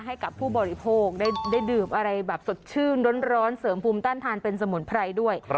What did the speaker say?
ให้กับผู้บริโภคได้ดื่มอะไรแบบสดชื่นร้อนเสริมภูมิต้านทานเป็นสมุนไพรด้วย